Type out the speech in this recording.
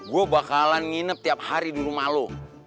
gue bakalan nginep tiap hari di rumah lo